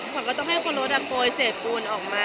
หวังว่าต้องให้คนลดอากบยเสพูนออกมา